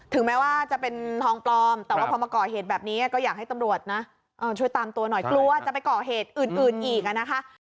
แม้ว่าจะเป็นทองปลอมแต่ว่าพอมาก่อเหตุแบบนี้ก็อยากให้ตำรวจนะช่วยตามตัวหน่อยกลัวจะไปก่อเหตุอื่นอีกนะคะ